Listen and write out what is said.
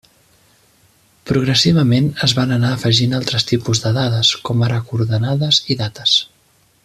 Progressivament es van anar afegint altres tipus de dades, com ara coordenades i dates.